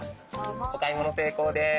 お買い物成功です。